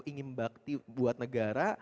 membakti buat negara